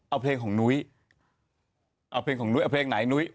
เอาเพลงของนุ้ยเอาเพลงของนุ้ยเอาเพลงไหนนุ้ย